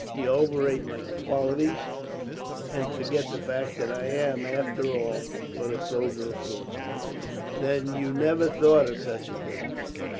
"You overrate my qualities, and forget the fact that I am, after all, but a soldier of fortune." "Then you never thought of such a thing?"